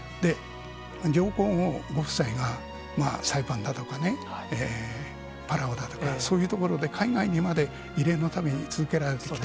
上皇后ご夫妻がサイパンだとか、パラオだとか、そういう所で海外にまで慰霊の旅を続けられてきた。